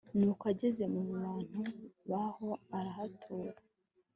Nuko ageze mu bantu baho arahatura